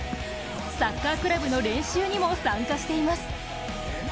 サッカークラブの練習にも参加しています。